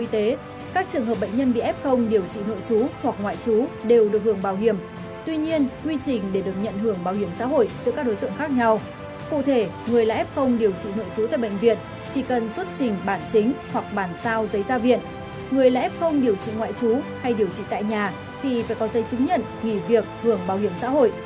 tại nhà thì phải có giấy chứng nhận nghỉ việc hưởng bảo hiểm xã hội